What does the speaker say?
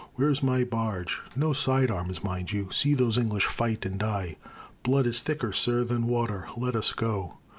Where's my barge? No side arms, mind you! See those English fight and die Blood is thicker, sir, than water. Let us go.